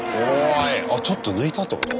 あっちょっと抜いたってこと？